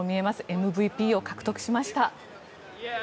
ＭＶＰを獲得しました。